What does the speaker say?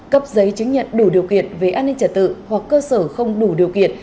cấp giấy chứng nhận đủ điều kiện về an ninh trả tự hoặc cơ sở không đủ điều kiện